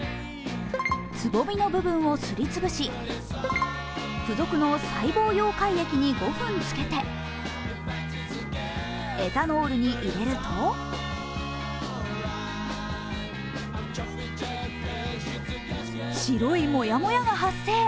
つぼみの部分をすり潰し付属の細胞溶解液に５分つけてエタノールに入れると白いモヤモヤが発生。